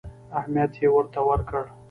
اهمیت یې ورته ورکړ.